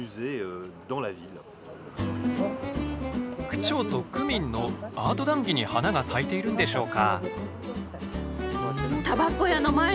区長と区民のアート談義に花が咲いているんでしょうか？